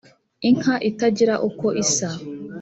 inka itagira uko isa